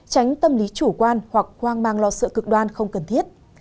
tránh tâm lý chủ quan hoặc hoang mang lo sợ cực đoan không cần thiết